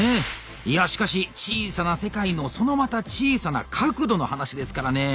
いやしかし小さな世界のそのまた小さな角度の話ですからねえ。